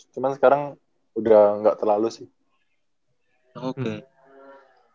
cuman sekarang udah nggak terlalu sih